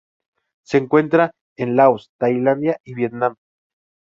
Se encuentra en Laos, Tailandia y Vietnam.